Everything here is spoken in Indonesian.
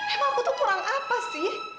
emang aku tuh kurang apa sih